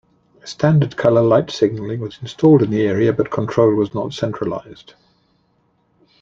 Standard colour-light signalling was installed in the area but control was not centralised.